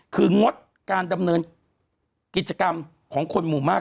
คืองดการดำเนินกิจกรรมของคนหมู่มาก